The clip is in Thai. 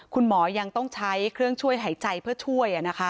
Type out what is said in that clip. คุณหมอยังต้องใช้เครื่องช่วยหายใจเพื่อช่วย